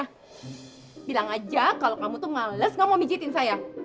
ya bilang aja kalau kamu tuh males nggak mau mijetin saya